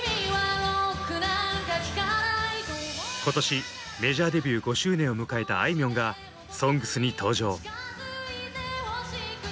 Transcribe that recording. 今年メジャーデビュー５周年を迎えたあいみょんが「ＳＯＮＧＳ」に登場。